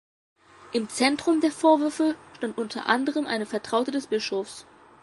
Im Zentrum der Vorwürfe stand unter anderem eine Vertraute des Bischofs.